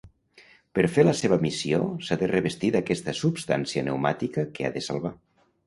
Per fer la seva missió s'ha de revestir d'aquesta substància pneumàtica que ha de salvar.